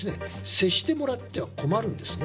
接してもらっては困るんですね。